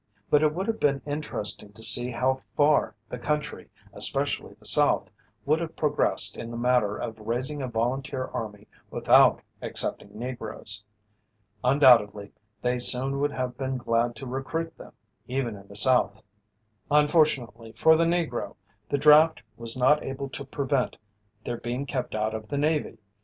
But it would have been interesting to see how far the country, especially the South, would have progressed in the matter of raising a volunteer army without accepting Negroes. Undoubtedly they soon would have been glad to recruit them, even in the South. Unfortunately for the Negro, the draft was not able to prevent their being kept out of the Navy.